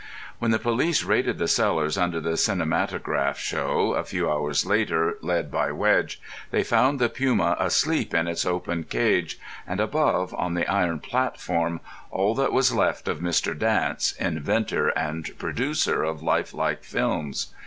When the police raided the cellars under the cinematograph show a few hours later, led by Wedge, they found the puma asleep in its open cage, and above, on the iron platform, all that was left of Mr. Dance, inventor and producer of life like films.